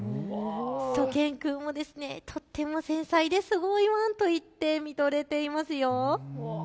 しゅと犬くんもとっても繊細ですごいワン！と言って見とれていますよ。